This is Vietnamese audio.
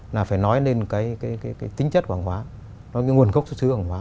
là phải nói lên cái tính chất của hàng hóa cái nguồn khốc xuất sứ của hàng hóa